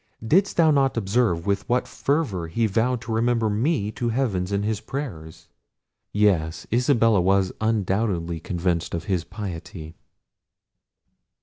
Didst thou not observe with what fervour he vowed to remember me to heaven in his prayers? Yes; Isabella was undoubtedly convinced of his piety."